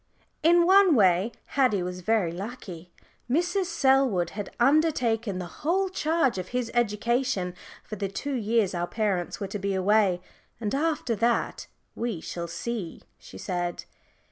In one way Haddie was very lucky. Mrs. Selwood had undertaken the whole charge of his education for the two years our parents were to be away. And after that "we shall see," she said.